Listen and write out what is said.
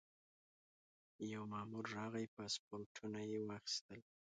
یو مامور راغی پاسپورټونه یې واخیستل.